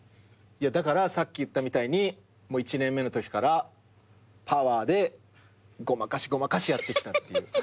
だからさっき言ったみたいに１年目のときから「パワー！」でごまかしごまかしやってきたっていう。